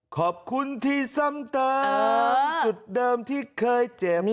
ขอบคุณที่ซ้ำเติมจุดเดิมที่เคยเจ็บ